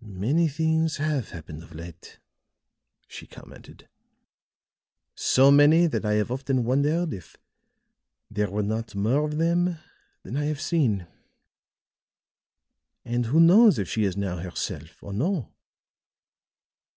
"Many things have happened of late," she commented; "so many that I have often wondered if there were not more of them than I have seen. And who knows if she is now herself, or no?